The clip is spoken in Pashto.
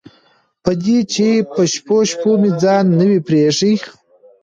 په دې چې په شپو شپو مې ځان نه و پرېښی.